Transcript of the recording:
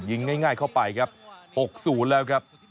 ยิงง่ายเข้าไปครับหกศูนย์แล้วครับ